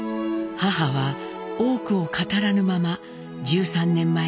母は多くを語らぬまま１３年前に死去。